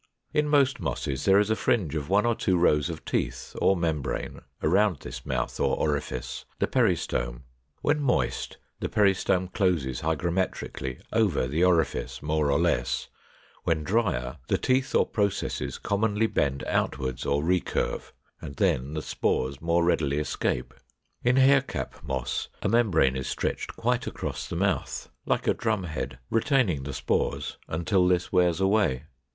In most Mosses there is a fringe of one or two rows of teeth or membrane around this mouth or orifice, the Peristome. When moist the peristome closes hygrometrically over the orifice more or less; when drier the teeth or processes commonly bend outward or recurve; and then the spores more readily escape. In Hair cap Moss a membrane is stretched quite across the mouth, like a drum head, retaining the spores until this wears away.